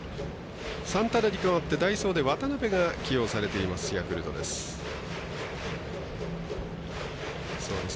サンタナに代わって代走で渡邉が起用されているヤクルトです。